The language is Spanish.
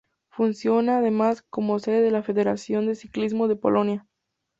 Funciona además como sede de la Federación de Ciclismo de Polonia.